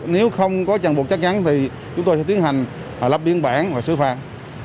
nếu không có chẳng buộc chắc chắn thì chúng tôi sẽ tiến hành lắp biên bản và xử phạt